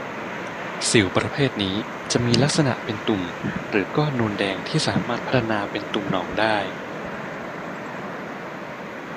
สิวประเภทนี้จะมีลักษณะเป็นตุ่ม หรือก้อนนูนแดงที่สามารถพัฒนาเป็นตุ่มหนองได้